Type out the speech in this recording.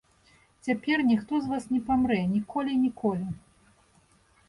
Цяпер ніхто з вас не памрэ ніколі, ніколі.